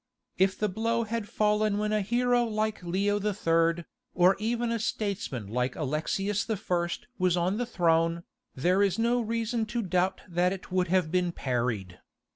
If the blow had fallen when a hero like Leo III., or even a statesman like Alexius I. was on the throne, there is no reason to doubt that it would have been parried.